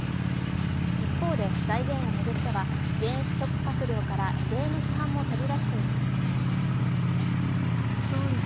一方で財源を巡っては現職閣僚から異例の批判も飛び出しています。